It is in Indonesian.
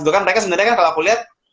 itu kan mereka sebenernya kan kalau aku lihat